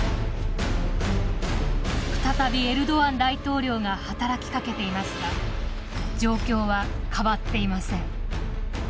再びエルドアン大統領が働きかけていますが状況は変わっていません。